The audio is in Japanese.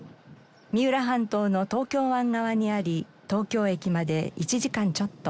三浦半島の東京湾側にあり東京駅まで１時間ちょっと。